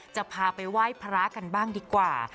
จะพาไปไหว้พระกันบ้างดีกว่า